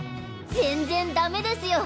全然ダメですよ。